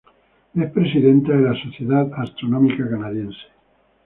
Es presidenta de la Sociedad Astronómica canadiense.